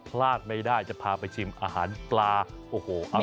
พลาดไม่ได้จะพาไปชิมอาหารปลาโอ้โหอร่อย